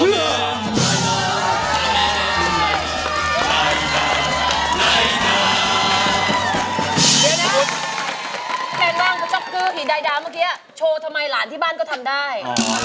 แดงร้างเมื่อกี้โชว์ทำไมหลานที่บ้านก็ทำได้